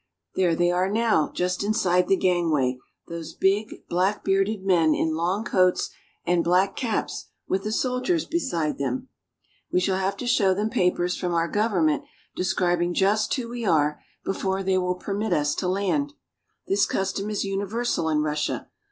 There they are now, just inside the gangway, those big, black bearded men in long coats and black caps with the soldiers beside them ! We shall have to show them papers from our government describing just who we are, before they will permit us to land. This custom is universal in Russia.